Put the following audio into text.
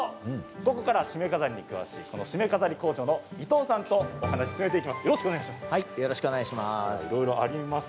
ここからは、しめ飾りに詳しいこのしめ飾り工場の伊藤さんとお話、進めていきます。